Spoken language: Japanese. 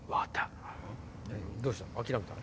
どうしたん？